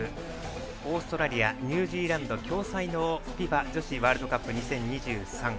オーストラリアニュージーランド共催のＦＩＦＡ女子ワールドカップ２０２３。